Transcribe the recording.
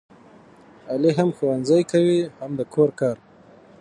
علي هم ښوونځی کوي هم د کور کار.